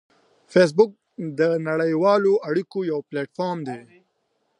فېسبوک د نړیوالو اړیکو یو پلیټ فارم دی